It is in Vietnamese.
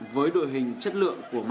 với đội hình chất lượng nhất của bộ bóng đá